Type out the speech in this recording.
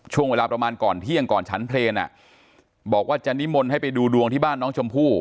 ช่วงเวลาประมาณก่อนเที่ยงก่อนฉันเพลงบอกว่าจะนิมนต์ให้ไปดูดวงที่บ้านน้องชมพู่